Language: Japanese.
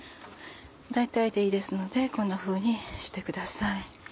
大体でいいですのでこんなふうにしてください。